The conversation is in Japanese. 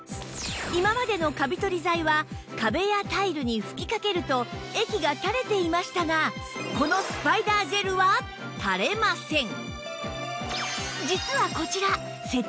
今までのカビ取り剤は壁やタイルに吹きかけると液がたれていましたがこのスパイダージェルはたれません！